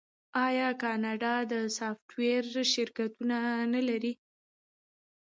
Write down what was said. آیا کاناډا د سافټویر شرکتونه نلري؟